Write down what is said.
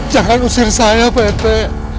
jangan usir saya pak rete